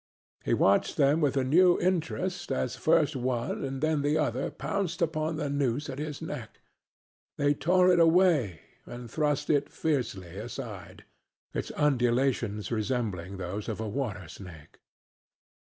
He watched them with a new interest as first one and then the other pounced upon the noose at his neck. They tore it away and thrust it fiercely aside, its undulations resembling those of a water snake.